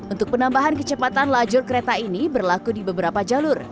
untuk penambahan kecepatan lajur kereta ini berlaku di beberapa jalur